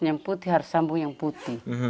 yang putih harus sambung yang putih